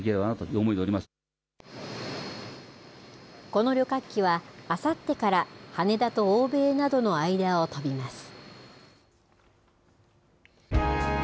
この旅客機は、あさってから、羽田と欧米などの間を飛びます。